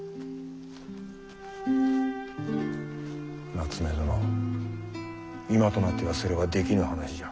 夏目殿今となってはそれはできぬ話じゃ。